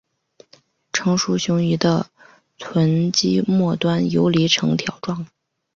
成熟雄鱼的臀鳍末端游离呈条状。